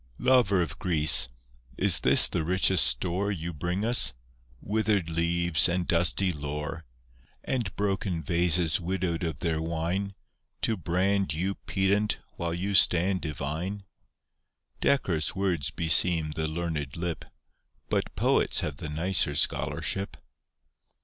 Lover of Greece, is this the richest store You bring us, withered leaves and dusty lore, And broken vases widowed of their wine, To brand you pedant while you stand divine? Decorous words beseem the learned lip, But Poets have the nicer scholarship.